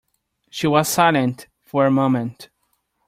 She was silent for a moment.